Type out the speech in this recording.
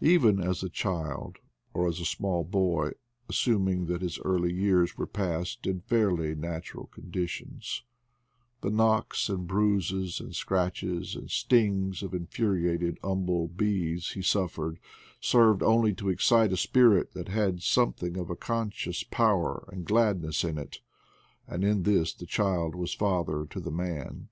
Even as a child, or as a small boy, assuming that his early years were passed in fairly natural conditions, the knocks and bruises and scratches and stings of in furiated humble bees he suffered served only to excite a spirit that had something of conscious power and gladness in it ; and in this the child was father to the man.